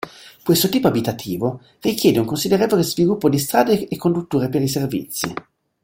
Questo tipo abitativo richiede un considerevole sviluppo di strade e condutture per i servizi.